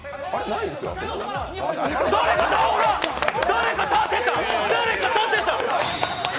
誰か立てた！